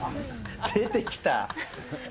出てきた。